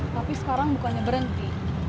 tapi sekarang bukannya berhenti